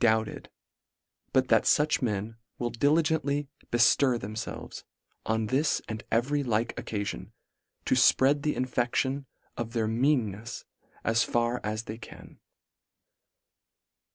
doubted but that fuch men will diligently beftir themfelves, on this and every like oc calion, to fpread the infection of their mean nefs as far as they can.